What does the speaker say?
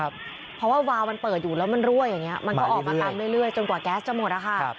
เพราะว่าวาวมันเปิดอยู่แล้วมันรั่วอย่างนี้มันก็ออกมาตามเรื่อยจนกว่าแก๊สจะหมดนะคะ